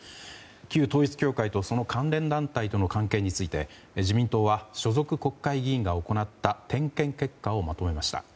旧統一教会とその関連団体との関係について自民党は、所属国会議員が行った点検結果をまとめました。